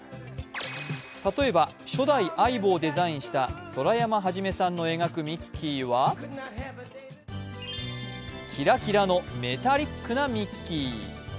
例えば初代ＡＩＢＯをデザインした空山基さんが描くミッキーはキラキラのメタリックなミッキー。